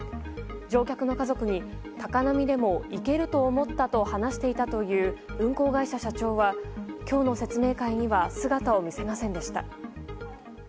乗客の家族に、高波でも行けると思ったと話していたという運航会社社長は今日の説明会には姿を見せませんでした。